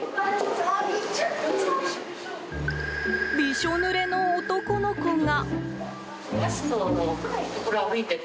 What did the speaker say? びしょぬれの男の子が。